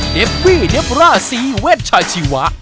เดฟบี้เดฟร่าซีเวชชาชีวะ